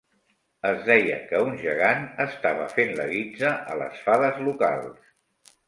Es deia que un gegant estava fent la guitza a les fades locals.